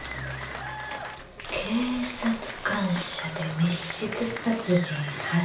警察官舎で密室殺人発生。